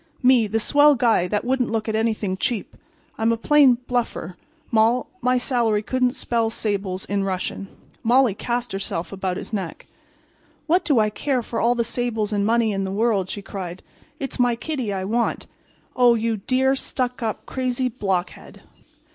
Me, the swell guy that wouldn't look at anything cheap! I'm a plain bluffer. Moll—my salary couldn't spell sables in Russian." Molly cast herself upon his neck. "What do I care for all the sables and money in the world," she cried. "It's my Kiddy I want. Oh, you dear, stuck up, crazy blockhead!"